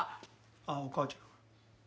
あっお母ちゃん。